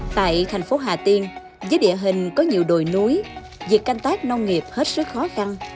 tại thành phố hà tiên với địa hình có nhiều đồi núi việc canh tác nông nghiệp hết sức khó khăn